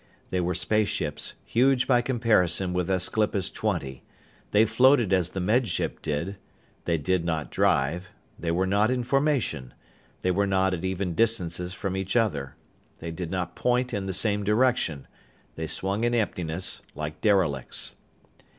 They were spaceships, huge by comparison with Aesclipus Twenty. They floated as the Med Ship did. They did not drive. They were not in formation. They were not at even distances from each other. They did not point in the same direction. They swung in emptiness like derelicts.